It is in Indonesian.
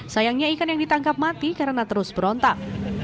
sayangnya ikan yang ditangkap mati karena terus berontak